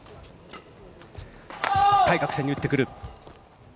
対角線に打ってくる。